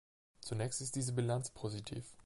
Zunächst ist diese Bilanz positiv.